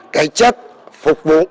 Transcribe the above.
cái chất phục vụ